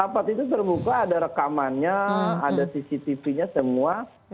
rapat itu terbuka ada rekamannya ada cctvnya semua